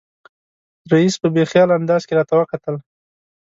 رییس په بې خیاله انداز کې راته وکتل.